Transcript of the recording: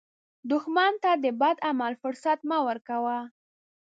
دښمن ته د بد عمل فرصت مه ورکوه